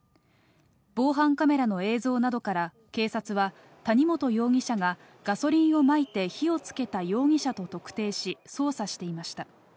防犯カメラの映像などから、警察は、谷本容疑者がガソリンをまいて火をつけた容疑者と特定し、捜査していました。